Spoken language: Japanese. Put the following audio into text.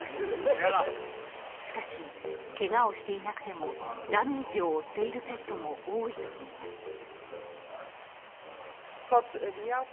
しかし、けがをしていなくてもダメージを負っているペットも多いといいます。